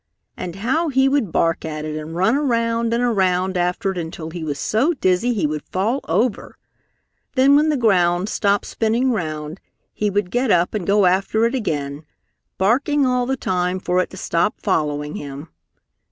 And how he would bark at it and run around and around after it until he was so dizzy he would fall over! Then when the ground stopped spinning round, he would get up and go after it again, barking all the time for it to stop following him.